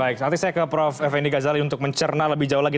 baik nanti saya ke prof effendi ghazali untuk mencerna lebih jauh lagi